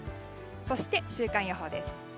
そして、週間予報です。